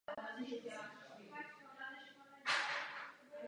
Dosáhněme toho co nejdříve.